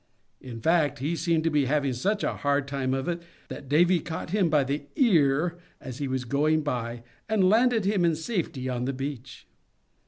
In fact, he seemed to be having such a hard time of it that Davy caught him by the ear as he was going by, and landed him in safety on the beach.